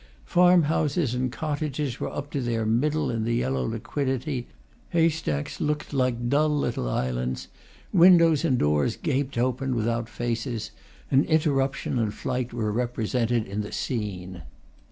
Farmhouses and cottages were up to their middle in the yellow liquidity; haystacks looked like dull little islands; windows and doors gaped open, without faces; and interruption and flight were represented in the scene.